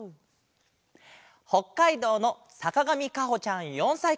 ほっかいどうのさかがみかほちゃん４さいから。